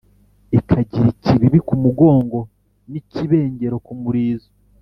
ikagira ikibibi ku mugongo n’ikibengero ku murizo.